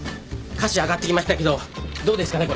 歌詞上がってきましたけどどうですかね？